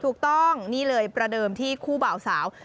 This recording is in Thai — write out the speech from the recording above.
ถูกต้องนี่เลยประเดิมที่คู่บ่าวสาว